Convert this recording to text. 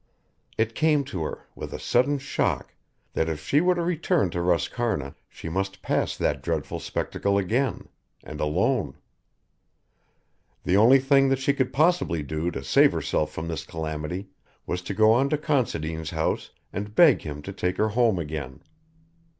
It came to her, with a sudden shock, that if she were to return to Roscarna she must pass that dreadful spectacle again, and alone. The only thing that she could possibly do to save herself from this calamity, was to go on to Considine's house and beg him to take her home again.